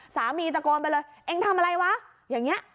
ตะโกนไปเลยเองทำอะไรวะอย่างนี้